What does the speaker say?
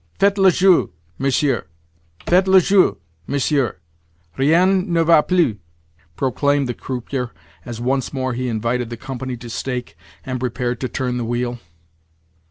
"Faites le jeu, messieurs! Faites le jeu, messieurs! Rien ne va plus," proclaimed the croupier as once more he invited the company to stake, and prepared to turn the wheel.